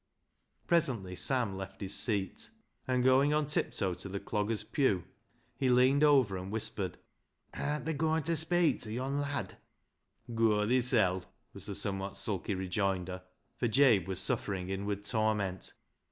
Presently Sam left his seat, and going on tiptoe to the dogger's pew, he leaned over and whispered —" Artna goin' ta speik ta yond' lad ?" 112 BECKSIDE LIGHTS " Goa thisel'," was the somewhat sulky re joinder, for Jabe was suffering inward torment.